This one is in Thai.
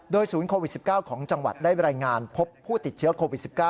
ศูนย์โควิด๑๙ของจังหวัดได้รายงานพบผู้ติดเชื้อโควิด๑๙